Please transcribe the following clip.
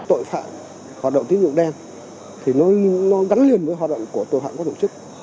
tội phạm hoạt động tín dụng đen thì nó gắn liền với hoạt động của tội phạm có tổ chức